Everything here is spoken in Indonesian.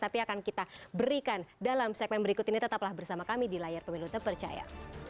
tapi akan kita berikan dalam segmen berikut ini tetaplah bersama kami di layar pemilu terpercaya